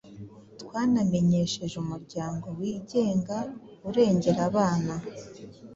twanamenyesheje umuryango wigenga urengera abana